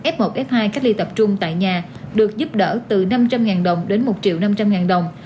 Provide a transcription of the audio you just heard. f một f hai cách ly tập trung tại nhà được giúp đỡ từ năm trăm linh đồng đến một triệu năm trăm linh ngàn đồng